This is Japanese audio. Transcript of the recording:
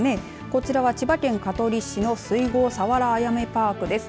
こちらは千葉県香取市の水郷佐原あやめパークです。